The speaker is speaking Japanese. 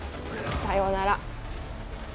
さよなら。